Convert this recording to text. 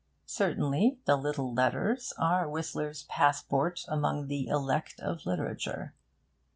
Certainly, the little letters are Whistler's passport among the elect of literature.